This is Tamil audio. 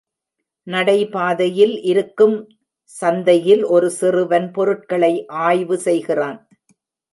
நடைபாதையில் இருக்கும் சந்தையில் ஒரு சிறுவன் பொருட்களை ஆய்வு செய்கிறான்.